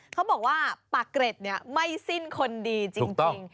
เค้าบอกว่าปากเกร็ดเนี่ยไม่สิ้นคนดีจริงถูกต้อง